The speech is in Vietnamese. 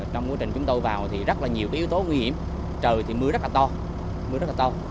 trong quá trình chúng tôi vào thì rất là nhiều yếu tố nguy hiểm trời thì mưa rất là to